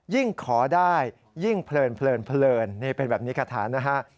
ขอได้ยิ่งเพลินนี่เป็นแบบนี้คาถานะฮะ